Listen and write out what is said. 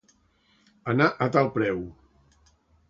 Anar a tal preu.